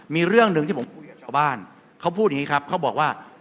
มีเรื่องหนึ่งที่ผมคุยกับชาวบ้านเขาพูดอย่างนี้ครับเขาบอกว่า